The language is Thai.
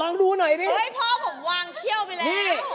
ลองดูหน่อยพ่อผมวางเที่ยวไปแล้ว